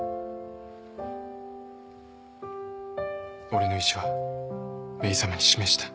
俺の意思はメイさまに示した。